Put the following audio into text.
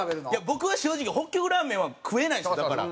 僕は正直北極ラーメンは食えないんですよだから。